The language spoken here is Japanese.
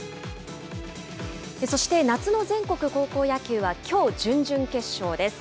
そして、夏の全国高校野球は、きょう準々決勝です。